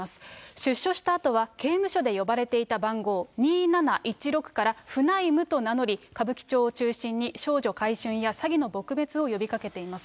出所したあとは、刑務所で呼ばれていた番号２７１６から、フナイムと名乗り、歌舞伎町を中心に、少女買春や詐欺の撲滅を呼びかけています。